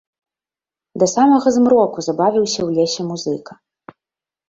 Да самага змроку забавіўся ў лесе музыка.